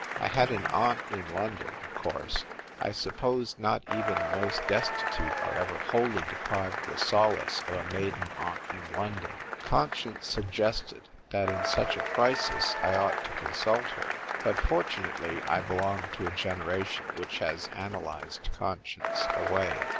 I had an aunt in London, of course ; I suppose not even the most desti tute are ever wholly deprived of the solace of a maiden aunt in London. Conscience sug gested that in such a crisis I ought to consult D i 42 THE TYPE WRITER GIRL. her. But fortunately I belong to a generation which has analysed conscience away.